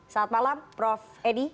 saat malam prof edi